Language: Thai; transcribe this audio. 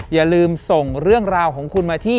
อย่าลืมส่งเรื่องราวของคุณมาที่